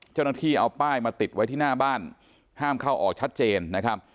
เจ้าหน้าที่เอาป้ายมาติดไว้ที่หน้าบ้านห้ามเข้าออกชัดเจนนะครับ